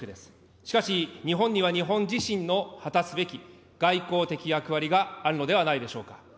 しかし、日本には日本自身の果たすべき外交的役割があるのではないでしょうか。